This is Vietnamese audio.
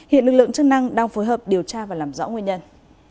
hiện lực lượng chức năng đang phối hợp điều tra và làm rõ nguyên nhân